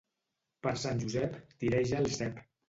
Per Sant Josep, tireja el cep.